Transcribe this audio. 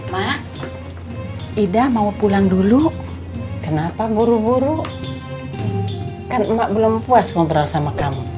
mak ida mau pulang dulu kenapa guru guru kan emak belum puas ngobrol sama kamu